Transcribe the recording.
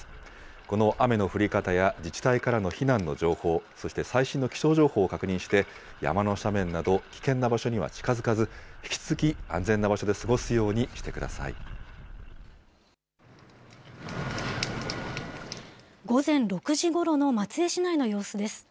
この雨の降り方や自治体からの避難の情報、そして最新の気象情報を確認して、山の斜面など危険な場所には近づかず、引き続き安全な場所で過ごすようにしてくださ午前６時ごろの松江市内の様子です。